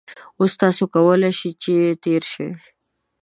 اوس تاسو کولای شئ چې تېر شئ